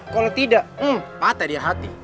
kalau tidak patah dia hati